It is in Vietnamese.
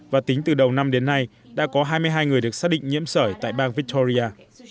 và tính từ đầu năm đến nay đã có hai mươi hai người được xác định nhiễm sởi tại bang victoria